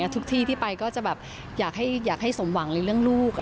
ทุกที่ที่ไปก็จะแบบอยากให้สมหวังในเรื่องลูก